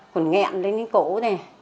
cũng nghẹn lên cái cổ này